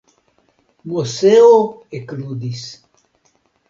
Moseo ekludis.